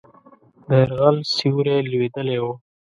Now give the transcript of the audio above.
د یرغل سیوری لوېدلی وو.